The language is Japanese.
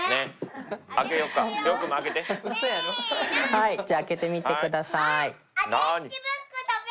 はいじゃ開けてみてください。